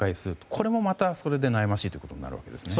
これもまた、それで悩ましいということになるわけですね。